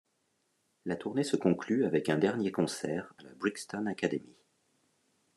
La tournée se conclut avec un dernier concert à la Brixton Academy.